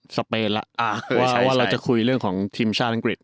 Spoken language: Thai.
สเปนล่ะอ่าเคยใช่ว่าว่าเราจะคุยเรื่องของทีมชาติอังกฤษ